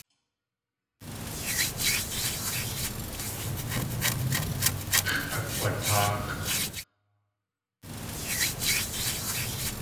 X̲ʼakg̲watʼáax̲.